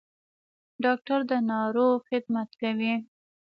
ډاکټر د ناروغ خدمت کوي